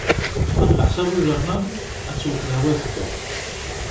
Ɣef leḥsab ujernan, ad tewt lehwa azekka.